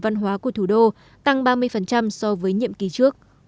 văn hóa của thủ đô tăng ba mươi so với nhiệm kỳ trước